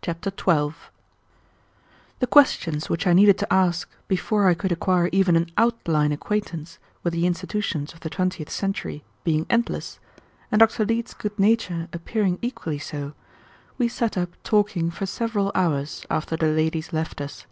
Chapter 12 The questions which I needed to ask before I could acquire even an outline acquaintance with the institutions of the twentieth century being endless, and Dr. Leete's good nature appearing equally so, we sat up talking for several hours after the ladies left us.